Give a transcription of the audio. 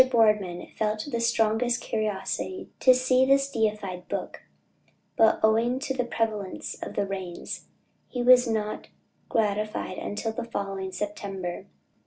Boardman felt the strongest curiosity to see this deified book, but owing to the prevalence of the rains, he was not gratified till the following September.